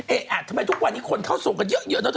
เอ๊ะทำไมทุกวันนี้คนเข้าทรงเยอะ